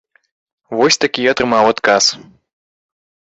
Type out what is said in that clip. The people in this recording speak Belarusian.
Вось такі атрымаў адказ.